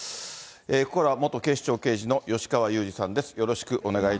ここからは元警視庁刑事の吉川祐二さんです。